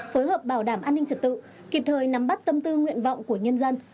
phối hợp bảo đảm an ninh trật tự kịp thời nắm bắt tâm tư nguyện vọng của nhân dân